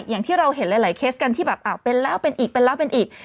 อย่างที่เราเห็นหลายเคสกันที่แบบอ้าวเป็นแล้วเป็นอีกเป็นแล้วเป็นอีก